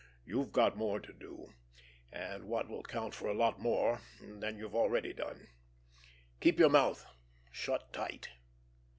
"You've got more to do, and what will count for a lot more than you've already done—keep your mouth shut tight."